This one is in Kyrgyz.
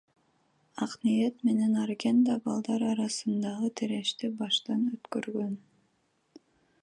Акниет менен Арген да балдар арасындагы тирешти баштан өткөргөн.